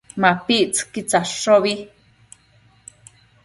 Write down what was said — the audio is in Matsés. MapictsËquid tsadshobi